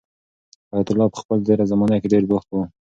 حیات الله په خپل تېره زمانه کې ډېر بوخت و.